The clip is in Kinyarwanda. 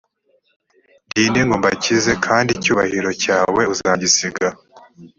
ndi inde ngo mbakize kandi icyubahiro cyawe uzagisiga